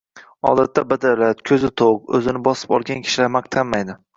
odatda badavlat, ko‘zi to‘q, o‘zini bosib olgan kishilar maqtanmaydi.